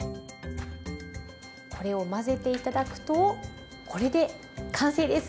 これを混ぜて頂くとこれで完成です。